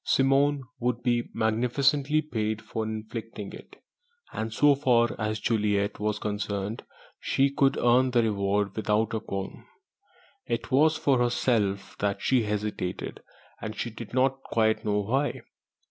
Simone would be magnificently paid for inflicting it, and so far as Juliet was concerned, she could earn the reward without a qualm. It was for herself that she hesitated; and she did not quite know why.